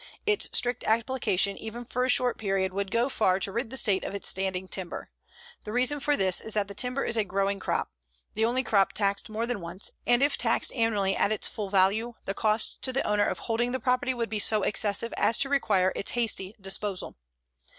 Its strict application even for a short period would go far to rid the State of its standing timber. The reason for this is that timber is a growing crop the only crop taxed more than once, and if taxed annually at its full value the cost to the owner of holding the property would be so excessive as to require its hasty disposal.